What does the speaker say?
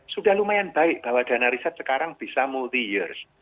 sudah lumayan baik bahwa dana riset sekarang bisa multi years